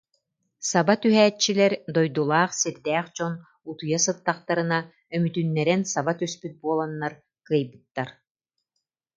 Саба түһээччилэр, дойдулаах-сирдээх дьон утуйа сыттахтарына өмүтүннэрэн саба түспүт буоланнар, кыайбыттар